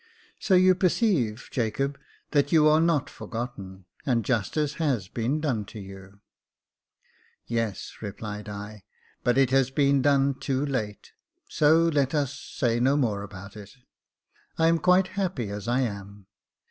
So you perceive, Jacob, that you are not forgotten, and justice has been done to you." " Yes," replied I, " but it has been done too late ; so let us say no more about it. I am quite happy as I am."